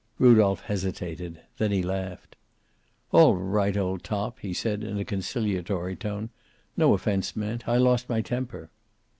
Rudolph hesitated. Then he laughed. "All right, old top," he said, in a conciliatory tone. "No offense meant. I lost my temper."